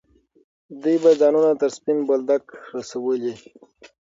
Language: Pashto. دوی به ځانونه تر سپین بولدکه رسولي.